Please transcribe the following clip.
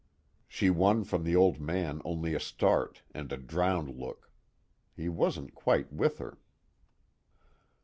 She won from the Old Man only a start, and a drowned look. He wasn't quite with her.